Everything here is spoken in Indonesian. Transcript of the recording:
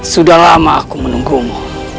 sudah lama aku menunggumu